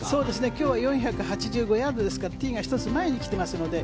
今日は４８５ヤードですからティーが１つ前に来てますので。